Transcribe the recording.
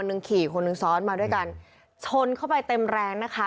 หนึ่งขี่คนหนึ่งซ้อนมาด้วยกันชนเข้าไปเต็มแรงนะคะ